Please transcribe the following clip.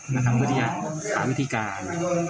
มาทำพฤทธิศาสตร์หาวิธีการ